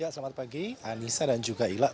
selamat pagi anissa dan juga ila